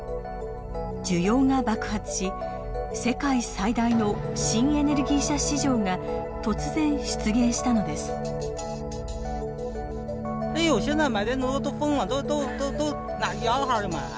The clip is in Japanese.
需要が爆発し世界最大の新エネルギー車市場が突然出現したのです。